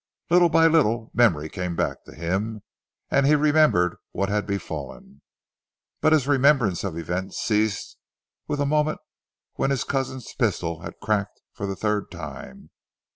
Little by little memory came back to him, and he remembered what had befallen, but his remembrance of events ceased with the moment when his cousin's pistol had cracked for the third time.